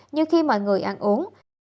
như khi mọi người ăn uống